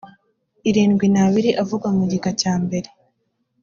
irindwi n abiri avugwa mu gika cyambere